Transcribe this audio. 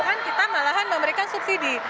kita malahan memberikan subsidi